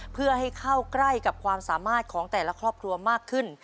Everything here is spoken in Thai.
เพื่อให้เข้าใกล้กับความสามารถของแต่ละครอบครัวมากขึ้น